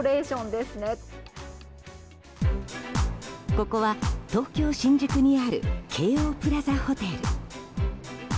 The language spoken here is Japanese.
ここは東京・新宿にある京王プラザホテル。